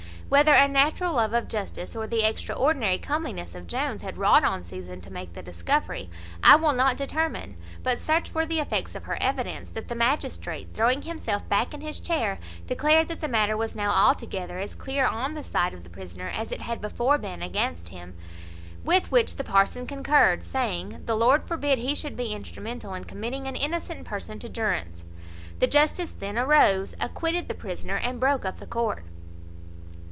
Whether a natural love of justice, or the extraordinary comeliness of Jones, had wrought on Susan to make the discovery, I will not determine; but such were the effects of her evidence, that the magistrate, throwing himself back in his chair, declared that the matter was now altogether as clear on the side of the prisoner as it had before been against him: with which the parson concurred, saying, the Lord forbid he should be instrumental in committing an innocent person to durance. The justice then arose, acquitted the prisoner, and broke up the court.